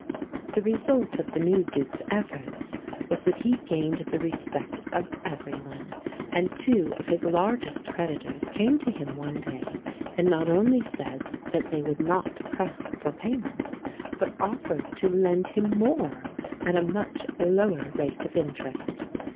The result of the new Duke's efforts was that he gained the respect of every one; and two of his largest creditors came to him one day and not only said that they would not press for payment, but offered to lend him more at a much lower rate of interest.